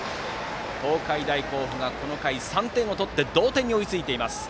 東海大甲府がこの回３点を取って同点に追いついています。